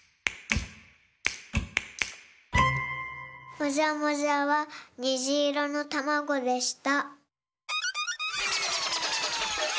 もじゃもじゃはにじいろのたまごでした。